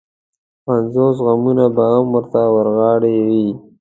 پنځوس غمونه به هم ورته ورغاړې وي.